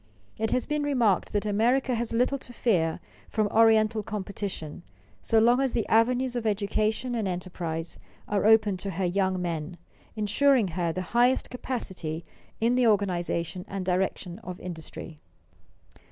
It has been remarked that America has little to fear from Oriental competition so long as the avenues of education and enterprise are open to her young men, insuring her the highest capacity in the organization and direction of industry.